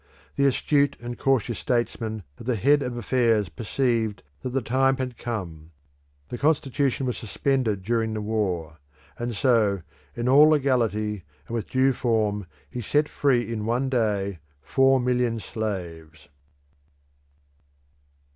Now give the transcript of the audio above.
The astute and cautious statesman at the head of affairs perceived that the time had come; the constitution was suspended during the war; and so, in all legality and with due form, he set free in one day four million slaves.